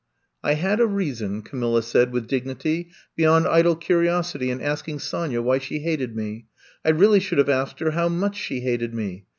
'' I had a reason," Camilla said, with dignity, beyond idle curiosity in asking Sonya why she hated me. I really should have asked her how much she hated me.